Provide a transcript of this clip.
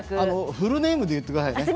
フルネームで言ってくださいね